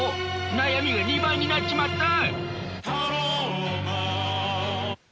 悩みが２倍になっちまった！